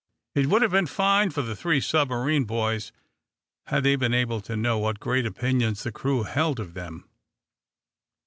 It would have been fine for the three submarine boys had they been able to know what great opinions the crew held of them.